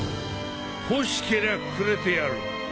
欲しけりゃくれてやる。